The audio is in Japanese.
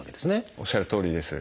おっしゃるとおりです。